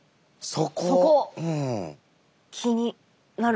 そこ。